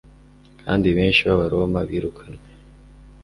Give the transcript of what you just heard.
Kandi benshi bAbaroma birukanwe